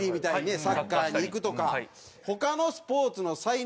サッカーにいくとか。